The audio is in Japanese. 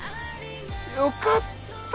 よかった！